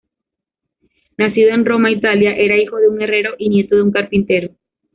Nacido en Roma, Italia, era hijo de un herrero y nieto de un carpintero.